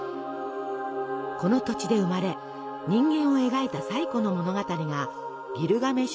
この土地で生まれ人間を描いた最古の物語が「ギルガメシュ叙事詩」。